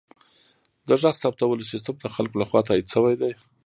د غږ ثبتولو سیستم د خلکو لخوا تایید شوی دی.